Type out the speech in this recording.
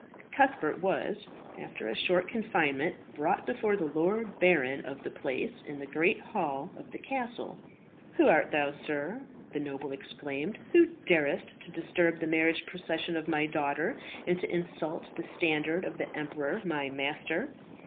Cuthbert was, after a short confinement, brought before the lord baron of the place, in the great hall of the castle. "Who art thou, sir," the noble exclaimed, "who darest to disturb the marriage procession of my daughter, and to insult the standard of the emperor my master?"